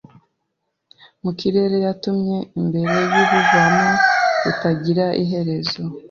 mu kirere yatumye imbere yubuvumo butagira iherezo